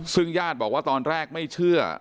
ซึ่งญาติบอกว่าตอนแรกไม่เชื่อ